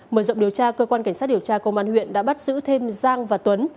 mở rộng điều tra cơ quan cảnh sát điều tra công an huyện đã bắt giữ thêm giang và tuấn